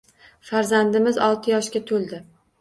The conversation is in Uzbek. Farzandimiz olti yoshga to`ldi